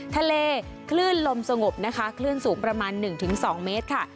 ทะเลคลื่นลมสงบนะคะคลื่นสูงประมาณหนึ่งถึงสองเมตรค่ะ